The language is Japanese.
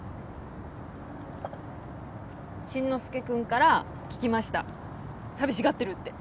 進之介君から聞きました寂しがってるって。